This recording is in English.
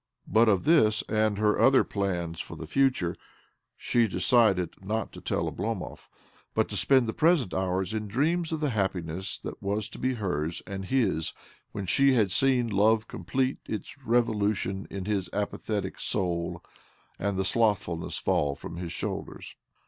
But of this, and of her other plans for the future, she decided not to tell Oblomov, but to spend the present hour in dreams of the happiness that was to be hers and his when she had seen love complete its revolution in his apathetic soul, and the slothfulness fall from' his shoulders.